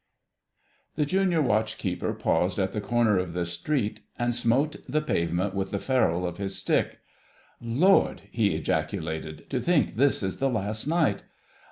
"* The Junior Watch keeper paused at the corner of the street and smote the pavement with the ferrule of his stick. "Lord!" he ejaculated, "to think this is the last night!